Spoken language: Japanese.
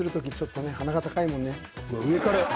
「上から」。